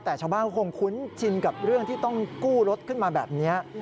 แต่ชาวบ้านก็คงคุ้นชินกับเรื่องที่ต้องกู้รถขึ้นมาแบบนี้